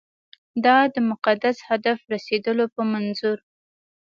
دا د مقدس هدف رسېدلو په منظور.